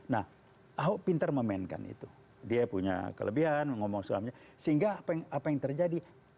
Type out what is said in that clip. nah ahok pintar memainkan itu dia punya kelebihan ngomong suami sehingga apa yang terjadi